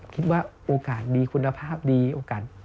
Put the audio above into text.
คิดว่าโอกาสดีคุณภาพดีโอกาส